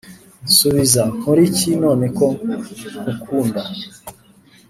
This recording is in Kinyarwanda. nsubiza nkoriki none ko nkukunda